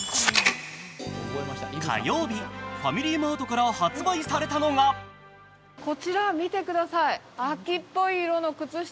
火曜日、ファミリーマートから発売されたのがこちら見てください。